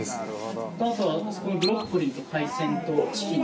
あとは、そこのブロッコリーと海鮮とチキン。